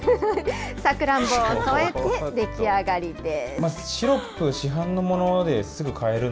サクランボを添えて出来上がりです。